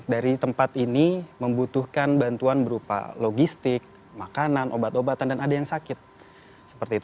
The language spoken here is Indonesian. dari tempat ini membutuhkan bantuan berupa logistik makanan obat obatan dan ada yang sakit